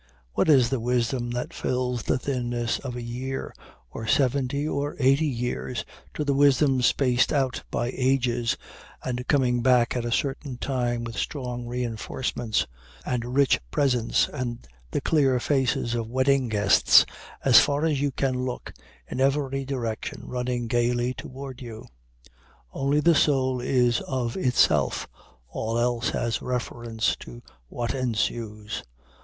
What is the wisdom that fills the thinness of a year, or seventy or eighty years to the wisdom spaced out by ages, and coming back at a certain time with strong reinforcements and rich presents, and the clear faces of wedding guests as far as you can look, in every direction, running gayly toward you? Only the soul is of itself all else has reference to what ensues.